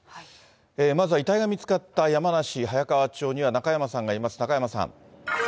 まずは遺体が見つかった山梨・早川町には中山さんがいます。